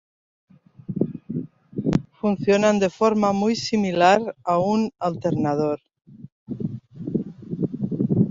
Funcionan de forma muy similar a un alternador.